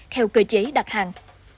theo cơ chế đặt hàng